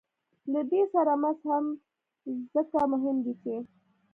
له دې سره مس هم ځکه مهم دي چې